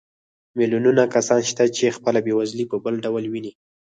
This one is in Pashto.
میلیونونه کسان شته چې خپله بېوزلي په بل ډول ویني